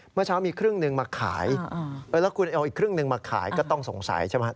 เมื่อเช้ามีครึ่งหนึ่งมาขายแล้วคุณเอาอีกครึ่งหนึ่งมาขายก็ต้องสงสัยใช่ไหม